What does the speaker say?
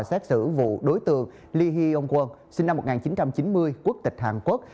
xét xử vụ đối tượng lee hee yong kwon sinh năm một nghìn chín trăm chín mươi quốc tịch hàn quốc